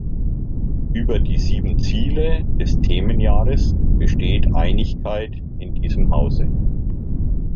Über die sieben Ziele des Themenjahres besteht Einigkeit in diesem Hause.